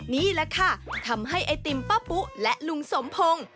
นี่แหละค่ะทำให้ไอติมป้าปุ๊และลุงสมพงศ์